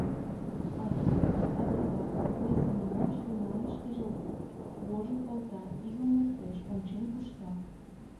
А тудо кызытат ила, куэ семынак шке мландешыже вожым колта, игым луктеш, ончен кушта.